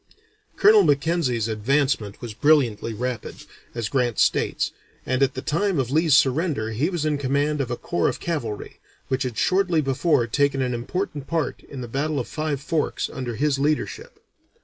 Colonel Mackenzie's advancement was brilliantly rapid, as Grant states, and at the time of Lee's surrender he was in command of a corps of cavalry, which had shortly before taken an important part in the battle of Five Forks under his leadership.